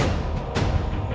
kita bisa memanfaatkan ini rompang